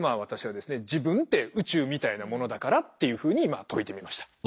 「自分って宇宙みたいなモノだから」っていうふうに説いてみました。